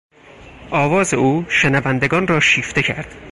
آواز او شنوندگان را شیفته کرد.